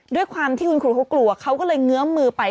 ด้วยความที่คุณครูเขากลัวเขาก็เลยเงื้อมมือไป